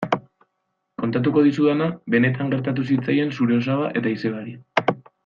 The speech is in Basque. Kontatuko dizudana benetan gertatu zitzaien zure osaba eta izebari.